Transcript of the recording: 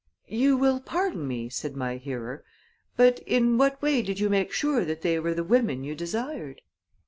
"You will pardon me," said my hearer, "but in what way did you make sure that they were the women you desired?"